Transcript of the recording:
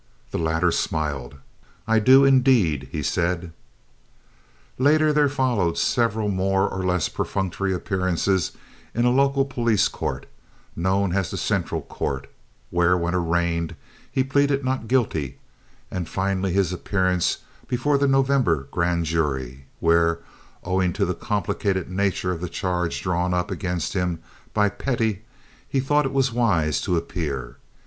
The latter smiled. "I do, indeed," he said. Later there followed several more or less perfunctory appearances in a local police court, known as the Central Court, where when arraigned he pleaded not guilty, and finally his appearance before the November grand jury, where, owing to the complicated nature of the charge drawn up against him by Pettie, he thought it wise to appear.